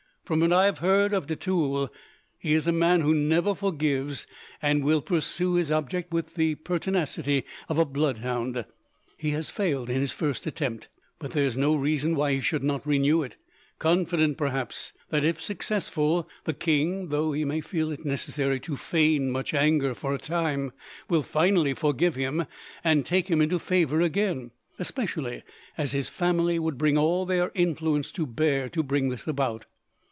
From what I have heard of de Tulle, he is a man who never forgives, and will pursue his object with the pertinacity of a bloodhound. He has failed in his first attempt, but there is no reason why he should not renew it, confident, perhaps, that if successful the king, though he may feel it necessary to feign much anger for a time, will finally forgive him and take him into favour again, especially as his family would bring all their influence to bear to bring this about.